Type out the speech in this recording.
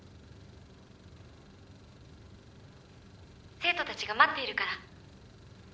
「生徒たちが待っているから」